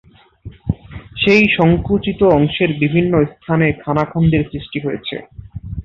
সেই সংকুচিত অংশের বিভিন্ন স্থানে খানাখন্দের সৃষ্টি হয়েছে।